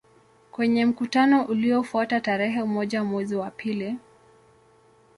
Kwenye mkutano uliofuata tarehe moja mwezi wa pili